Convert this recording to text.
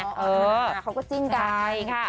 เออเขาก็จริงกัน